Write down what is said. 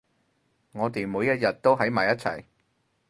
我哋每一日都喺埋一齊